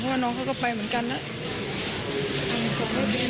เพราะว่าน้องเขาก็ไปเหมือนกันนะ